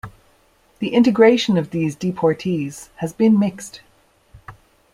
The integration of these deportees has been mixed.